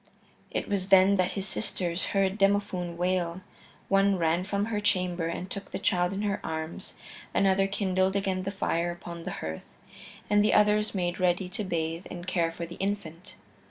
It was then that his sisters heard Demophoon wail; one ran from her chamber and took the child in her arms; another kindled again the fire upon the hearth, and the others made ready to bathe and care for the infant.